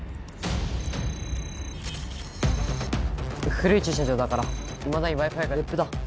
古い駐車場だからいまだに Ｗｉ−Ｆｉ が ＷＥＰ だ